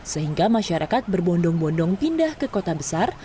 sehingga masyarakat berbondong bondong pindah ke kota besar